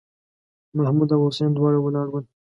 محمـود او حسين دواړه ولاړ ول.